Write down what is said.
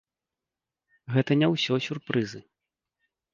Гэта не ўсё сюрпрызы!